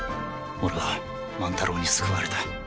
俺は万太郎に救われた。